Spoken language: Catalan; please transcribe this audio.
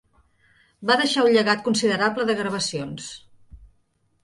Va deixar un llegat considerable de gravacions.